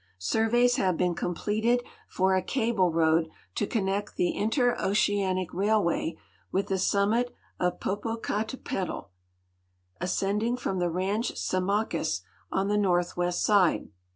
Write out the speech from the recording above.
Surveys have been completed for a cable road to connect the Interoceanic Railway with the summit of Popocatepetl, ascending from the ranch Semacas, on the northwest side.